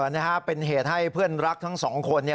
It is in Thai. นี่ค่ะเป็นเหตุให้เพื่อนรักทั้ง๒คน